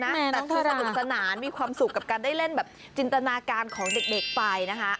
แม่น้องทารามีความสุขกับการได้เล่นจินตนาการของเด็กไป